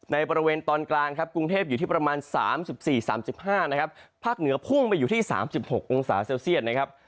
ในบริเวณตอนกลางครับกรุงเทพอยู่ที่ประมาณ๓๔๓๕นะครับภาคเหนือพุ่งไปอยู่ที่๓๖องศาเซลเซียตนะครับ